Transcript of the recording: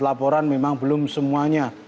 laporan memang belum semuanya